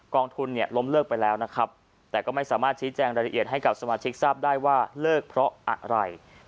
องทุนเนี่ยล้มเลิกไปแล้วนะครับแต่ก็ไม่สามารถชี้แจงรายละเอียดให้กับสมาชิกทราบได้ว่าเลิกเพราะอะไร